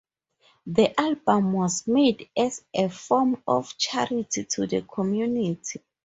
The album was made as a form of charity to the community.